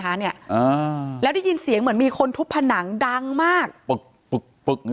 อ่าเนี้ยอ่าแล้วได้ยินเสียงเหมือนมีคนทุบผนังดังมากปึกปึกปึก